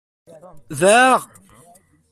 Daɣ!